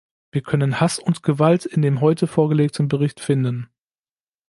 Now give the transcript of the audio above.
Wir können Hass und Gewalt in dem heute vorgelegten Bericht finden.